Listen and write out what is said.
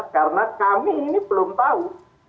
karena kami ini belum tahu